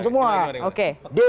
biar aku ceritakan